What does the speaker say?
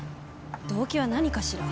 動機は何かしら。